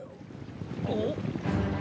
・おっ？